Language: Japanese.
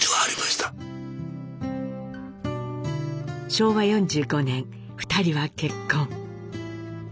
昭和４５年２人は結婚。